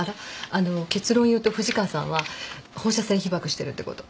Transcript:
あの結論を言うと藤川さんは放射線被ばくしてるってこと。